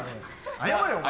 謝れ、お前。